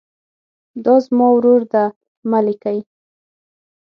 دا زما ورور ده مه لیکئ.